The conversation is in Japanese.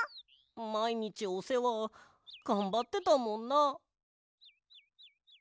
まいにちおせわがんばってたもんな。